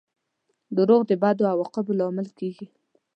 • دروغ د بدو عواقبو لامل کیږي.